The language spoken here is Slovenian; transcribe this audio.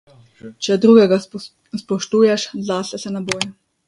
Če drugega spoštuješ, zase se ne boj.